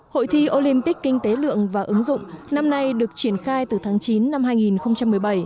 hội thi olympic kinh tế lượng và ứng dụng năm nay được triển khai từ tháng chín năm hai nghìn một mươi bảy